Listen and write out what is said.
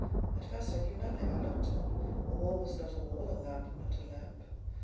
At first I knew nothing I looked on: a wall was not a wall—a lamp not a lamp.